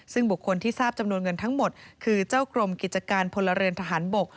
ซึ่งบุคคลที่ทราบจำนวนเงินทั้งหมดคือเจ้ากรมกิจการพลเรือนทหารบก